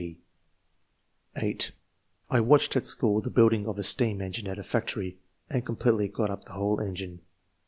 (g) (8) " I watched, at school, the building of a steam engine at a factory, and completely got up the whole engine.